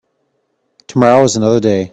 Tomorrow is another day.